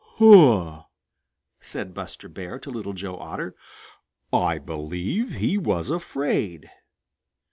"Huh!" said Buster Bear to Little Joe Otter, "I believe he was afraid!"